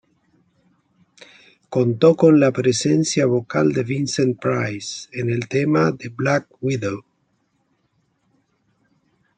Contó con la presencia vocal de Vincent Price en el tema "The Black Widow".